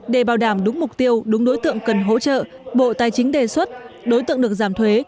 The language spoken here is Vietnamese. để bảo đảm đúng mục tiêu đúng đối tượng cần hỗ trợ bộ tài chính đề xuất đối tượng được giảm thuế